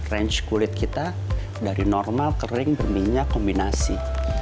range kulit kita dari normal kering berminyak kombinasi